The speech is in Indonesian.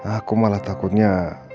aku malah takutnya